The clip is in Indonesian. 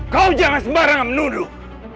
kau jangan sembarangan menuduh